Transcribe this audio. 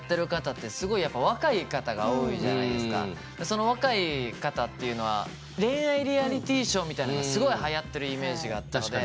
その若い方っていうのは恋愛リアリティショーみたいなのがすごいはやってるイメージがあったので。